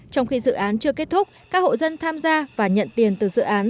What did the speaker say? trong khi dự án chưa kết thúc các hộ dân tham gia và nhận tiền từ dự án